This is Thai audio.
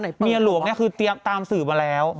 แล้วก็เมียหลวงเนี่ยคือเตี๊ยงตามสื่อมาแล้ว